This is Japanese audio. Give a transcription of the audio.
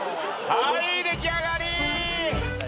はい出来上がり！